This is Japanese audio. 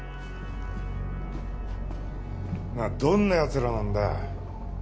なあどんな奴らなんだ？